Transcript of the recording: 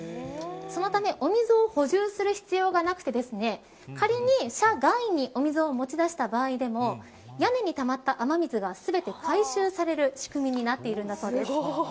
そのためお水を補充する必要がなくて仮に、車外にお水を持ち出した場合でも屋根にたまった雨水が全て回収される仕組みになっているんだそうです。